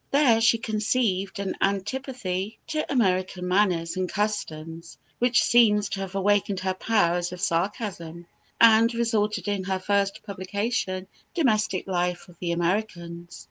There she conceived an antipathy to American manners and customs, which seems to have awakened her powers of sarcasm, and resulted in her first publication, "Domestic Life of the Americans."